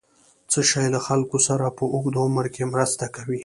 څه شی له خلکو سره په اوږد عمر کې مرسته کوي؟